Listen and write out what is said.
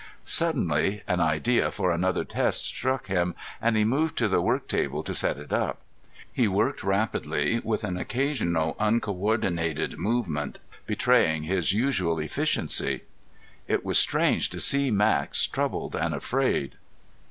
Suddenly an idea for another test struck him and he moved to the work table to set it up. He worked rapidly, with an occasional uncoordinated movement betraying his usual efficiency. It was strange to see Max troubled and afraid.